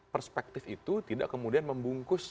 perspektif itu tidak kemudian membungkus